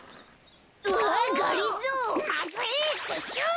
あがりぞー！